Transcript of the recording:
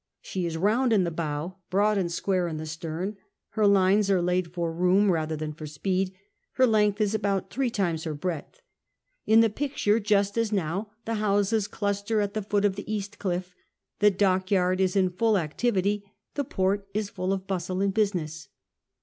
She is round in the bow, broad and square in the stern ; her lines are laid for room rather than for speed ; her length is about three times her breadth. In the picture, just as now, the houses cluster at the foot of the cast cliff, the dockyard is in full activity, the port is full of bustle and business.